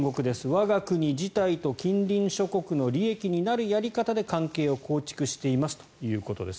我が国自体と近隣諸国の利益になるやり方で関係を構築していますということです。